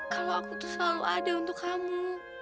kalau aku tuh selalu ada untuk kamu